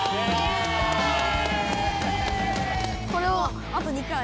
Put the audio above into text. これをあと２回。